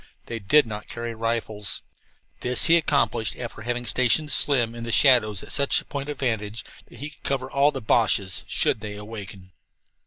They did not carry rifles. This he accomplished after having stationed Slim in the shadows at such a point of vantage that he could cover all of the Boches, should they awaken.